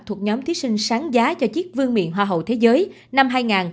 thuộc nhóm thí sinh sáng giá cho chiếc vương miền hoa hậu thế giới năm hai nghìn hai mươi